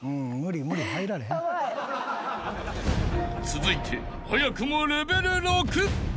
［続いて早くもレベル６］